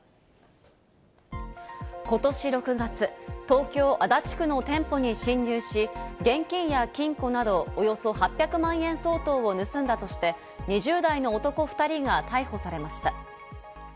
ことし６月、東京・足立区の店舗に侵入し、現金や金庫などおよそ８００万円相当を盗んだとして、２０代の男２人が逮捕されました。